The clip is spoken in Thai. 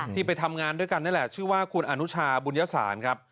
ที่ไปทำงานด้วยกันนี่แหละชื่อว่าคุณอนุชาบุญยสารครับ